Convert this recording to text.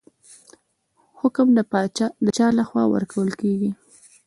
حکم د چا لخوا ورکول کیږي؟